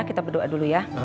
kita berdoa dulu ya